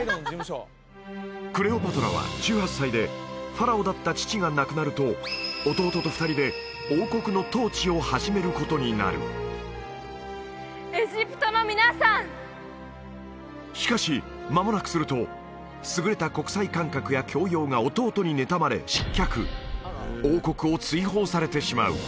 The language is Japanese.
クレオパトラは１８歳でファラオだった父が亡くなると弟と２人で王国の統治を始めることになるしかしまもなくすると優れた国際感覚や教養が弟にねたまれ失脚王国を追放されてしまう